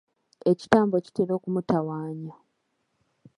Ekitambo kitera okumutawaanya.